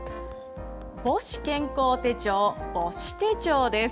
母子健康手帳・母子手帳です。